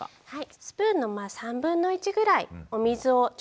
はい。